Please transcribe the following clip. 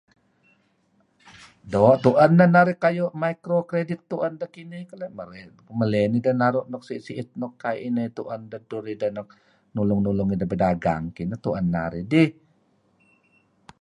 Doo' tu'en neh narih kayu' micro credit tu'en deh kinih keleyh berey, meley nideh naru' nuk si'it-si'it nuk kayu' ineh tu'en dedtur ideh nuk nulung-nulung ideh bedagang kineh tu'en narih dih.